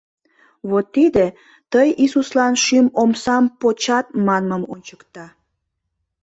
Вот тиде тый Иисуслан шӱм омсам почат манмым ончыкта.